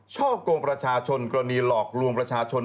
ช่อกงประชาชนกรณีหลอกลวงประชาชน